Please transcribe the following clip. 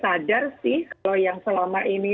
sadar sih kalau yang selama ini